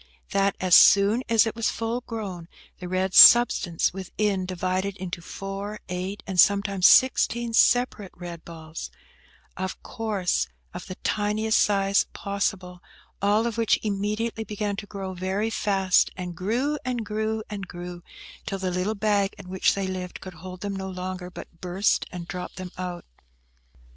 That, as soon as it was full grown, the red substance within divided into four, eight, and sometimes sixteen separate red balls, of course of the tiniest size possible, all which immediately began to grow very fast, and grew, and grew, and grew, till the little bag in which they lived could hold them no longer, but burst, and dropt them out.